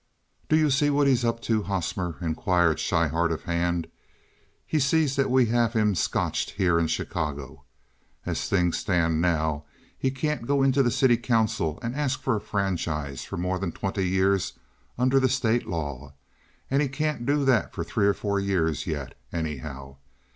"Do you see what he's up to, Hosmer?" inquired Schryhart of Hand. "He sees that we have him scotched here in Chicago. As things stand now he can't go into the city council and ask for a franchise for more than twenty years under the state law, and he can't do that for three or four years yet, anyhow.